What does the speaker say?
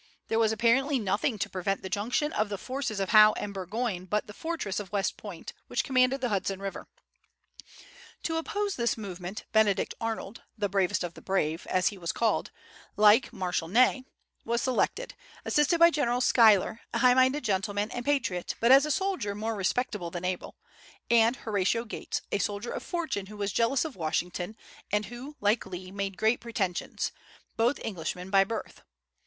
There was apparently nothing to prevent the junction of the forces of Howe and Burgoyne but the fortress of West Point, which commanded the Hudson River. To oppose this movement Benedict Arnold "the bravest of the brave," as he was called, like Marshal Ney was selected, assisted by General Schuyler, a high minded gentleman and patriot, but as a soldier more respectable than able, and Horatio Gates, a soldier of fortune, who was jealous of Washington, and who, like Lee, made great pretensions, both Englishmen by birth.